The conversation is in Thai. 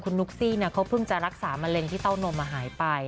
นุ๊กซี่เขาเพิ่งจะรักษามะเร็งที่เต้านมหายไป